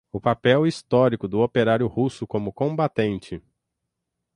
o papel histórico do operário russo como combatente